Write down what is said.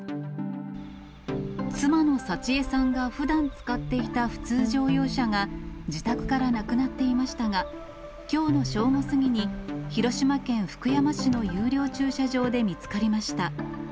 妻の幸枝さんが、ふだん使っていた普通乗用車が、自宅からなくなっていましたが、きょうの正午過ぎに、広島県福山市の有料駐車場で見つかりました。